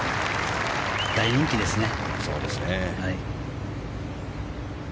大人気ですね。